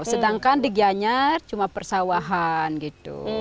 sedangkan di gianyar cuma persawahan gitu